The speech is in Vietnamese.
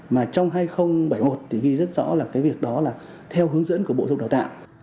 mà trong hai nghìn hai mươi một thì ghi rất rõ là cái việc đó là theo hướng dẫn của bộ giáo dục và đào tạo